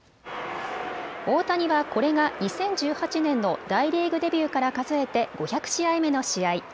大谷はこれが２０１８年の大リーグデビューから数えて５００試合目の試合。